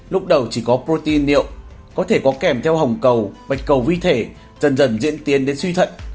lúc đầu chỉ có proteiniu có thể có kèm theo hồng cầu bạch cầu vi thể dần dần diễn tiến đến suy thận